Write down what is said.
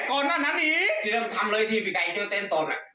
ก่อนหน้านั้นอีกที่เริ่มทำเลยทีมีใกล้เจ้าเต้นตนอ่ะ